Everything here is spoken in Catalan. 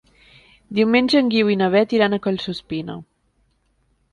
Diumenge en Guiu i na Beth iran a Collsuspina.